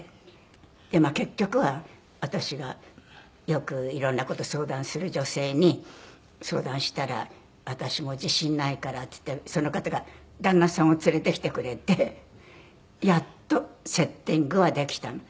で結局は私がよく色んな事を相談する女性に相談したら「私も自信ないから」って言ってその方が旦那さんを連れてきてくれてやっとセッティングはできたの。